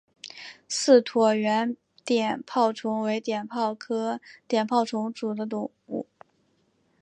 似椭圆碘泡虫为碘泡科碘泡虫属的动物。